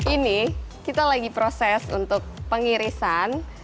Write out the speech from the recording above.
ini kita lagi proses untuk pengirisan